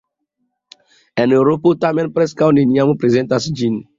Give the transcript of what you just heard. En Eŭropo tamen preskaŭ neniam prezentas ĝin.